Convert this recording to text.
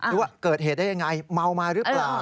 ว่าเกิดเหตุได้ยังไงเมามาหรือเปล่า